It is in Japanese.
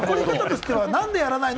何でやらないの？